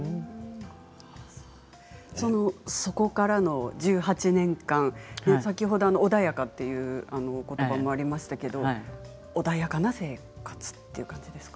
そこからの１８年間先ほど穏やかということばもありましたけれども穏やかな生活という感じですか？